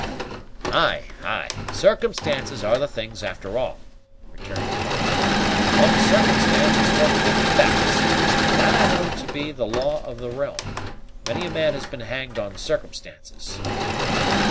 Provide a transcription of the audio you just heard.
"Ay, ay! circumstances are the things after all," returned Cap. "One circumstance is worth fifty facts. That I know to be the law of the realm. Many a man has been hanged on circumstances."